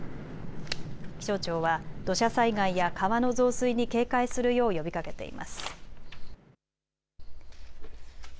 気象庁は土砂災害や川の増水に警戒するよう呼びかけています。